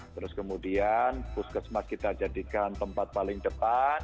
terus kemudian puskesmas kita jadikan tempat paling depan